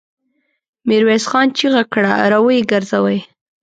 ميرويس خان چيغه کړه! را ويې ګرځوئ!